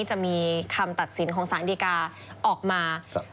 จะมีคำตัดสินของศาลอินติกาออกมาครับ